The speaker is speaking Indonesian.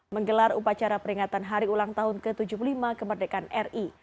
menggelar upacara peringatan hari ulang tahun ke tujuh puluh lima kemerdekaan ri